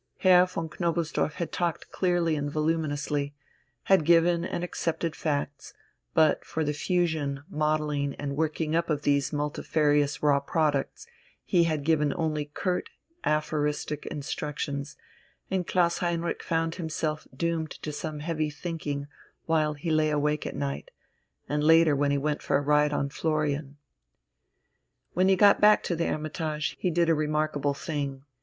Herr von Knobelsdorff had talked clearly and voluminously, had given and accepted facts; but, for the fusion, modelling, and working up of these multifarious raw products he had given only curt, aphoristic instructions, and Klaus Heinrich found himself doomed to some heavy thinking while he lay awake at night, and later when he went for a ride on Florian. When he got back to the "Hermitage" he did a remarkable thing.